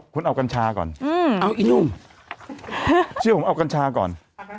คุณเอากัญชาก่อนเอาอีหนุ่มเชื่อผมเอากัญชาก่อน